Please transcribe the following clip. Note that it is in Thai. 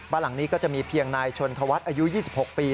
บ้านหลังนี้ก็จะมีเพียงนายชนธวัฒน์อายุ๒๖ปี